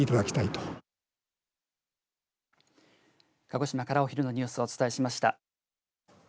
鹿児島からお昼のニュースをお伝えしました。